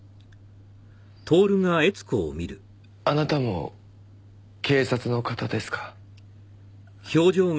あなたも警察の方ですか？